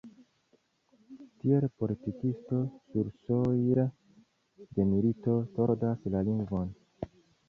Tiel politikisto sursojle de milito tordas la lingvon.